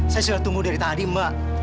saya sudah tunggu dari tadi mbak